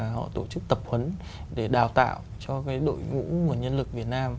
họ tổ chức tập huấn để đào tạo cho cái đội ngũ nguồn nhân lực việt nam